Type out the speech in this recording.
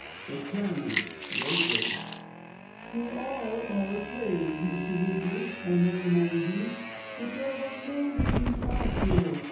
The Chairman (gravely). There are arcades, Mr. Wheedler, I may remind you, which are by no means pastoral.